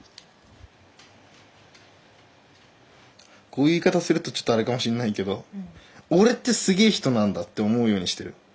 こういう言い方するとちょっとアレかもしんないけど俺ってすげぇ人なんだって思うようにしてる。